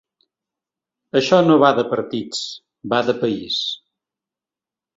Això no va de partits, va de país.